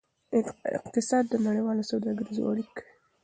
اقتصاد د نړیوالو سوداګریزو اړیک